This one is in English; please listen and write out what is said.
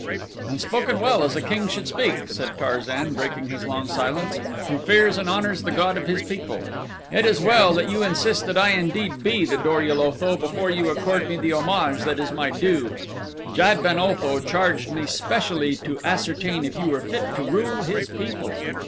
"And spoken well, as a king should speak," said Tarzan, breaking his long silence, "who fears and honors the god of his people. It is well that you insist that I indeed be the Dor ul Otho before you accord me the homage that is my due. Jad ben Otho charged me specially to ascertain if you were fit to rule his people.